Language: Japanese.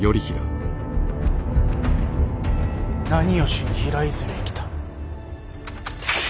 何をしに平泉へ来た。